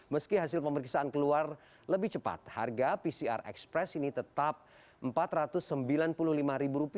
meski hasil pemeriksaan keluar lebih cepat harga pcr ekspres ini tetap rp empat ratus sembilan puluh lima